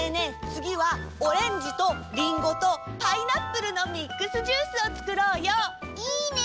つぎはオレンジとリンゴとパイナップルのミックスジュースをつくろうよ。いいね！